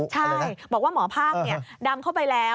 ใช่บอกว่าหมอภาคดำเข้าไปแล้ว